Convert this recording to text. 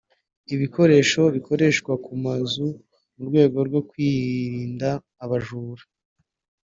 ibikoresho bikoreshwa ku mazu mu rwego rwo kwirinda abajura